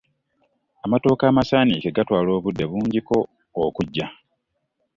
Amatooke amasanike gatwala obudde bunjiko okujja.